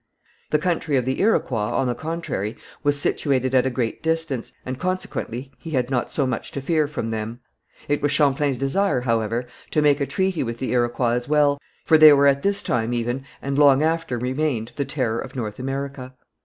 The country of the Iroquois, on the contrary, was situated at a great distance, and consequently he had not so much to fear from them. It was Champlain's desire, however, to make a treaty with the Iroquois as well, for they were at this time even, and long after remained, the terror of North America.